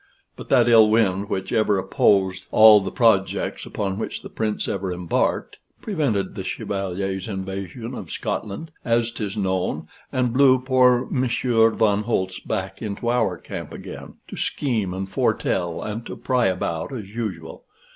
But that ill wind which ever opposed all the projects upon which the Prince ever embarked, prevented the Chevalier's invasion of Scotland, as 'tis known, and blew poor Monsieur von Holtz back into our camp again, to scheme and foretell, and to pry about as usual.